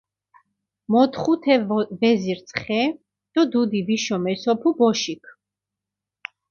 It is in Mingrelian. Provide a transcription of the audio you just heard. მოთხუ თე ვეზირს ხე დო დუდი ვიშო მესოფუ ბოშიქ.